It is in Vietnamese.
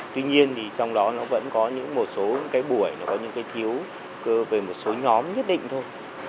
tuy nhiên thì trong đó nó vẫn có những một số cái buổi nó có những cái thiếu về một số nhóm nhất định thôi